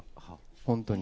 本当に。